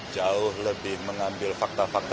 jauh lebih mengambil fakta fakta